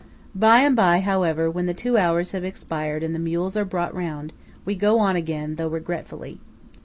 By and by, however, when the two hours have expired and the mules are brought round, we go on again, though regretfully.